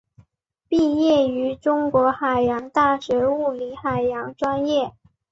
毕业于中国海洋大学物理海洋专业。